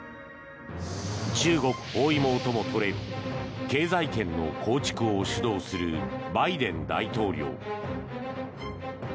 中国包囲網ともとれる経済圏の構築を主導するバイデン大統領。